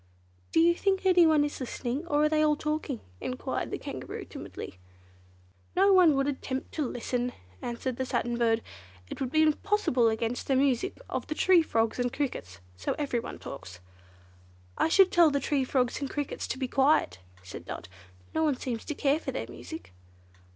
"Do you think anyone is listening, or are they all talking?" enquired the Kangaroo timidly. "Nobody would attempt to listen," answered the Satin Bird, "it would be impossible against the music of the tree frogs and crickets, so everyone talks." "I should tell the tree frogs and crickets to be quiet," said Dot, "no one seems to care for their music."